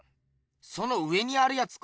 その上にあるやつか？